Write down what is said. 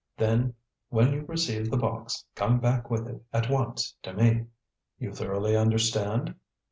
Then when you receive the box come back with it at once to me. You thoroughly understand?"